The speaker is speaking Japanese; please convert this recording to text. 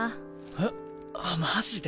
えっマジで？